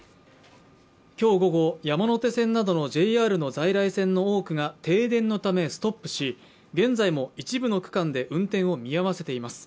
今日午後、山手線などのＪＲの在来線の多くが停電のためストップし、現在も一部区間で運転を見合わせています。